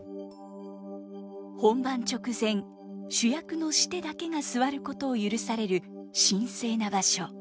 本番直前主役のシテだけが座ることを許される神聖な場所。